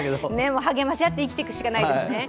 励まし合って生きていくしかないですね。